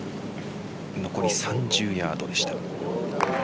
残り３０ヤードでした。